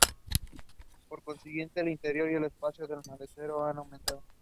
Por consiguiente el interior y el espacio del maletero han aumentado.